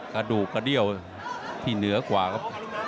กระดูกกระเดี้ยวที่เหนือกว่าครับ